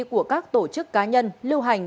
của các tổ chức cá nhân lưu hành